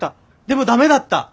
でも駄目だった。